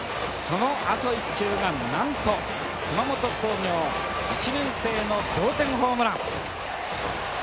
そのあと一球がなんと熊本工業１年生の同点ホームラン。